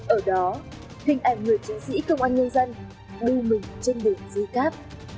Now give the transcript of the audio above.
ở đó hình ảnh người chiến sĩ công an nhân dân đu mình trên đường dây cáp